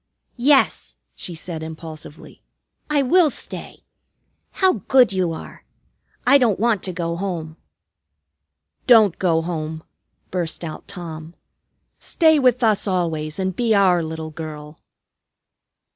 "Yes," she said impulsively, "I will stay. How good you are! I don't want to go home." "Don't go home!" burst out Tom. "Stay with us always and be our little girl."